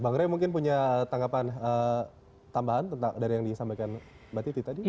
bang ray mungkin punya tanggapan tambahan dari yang disampaikan mbak titi tadi